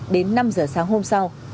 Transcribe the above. đến năm h sáng hôm sau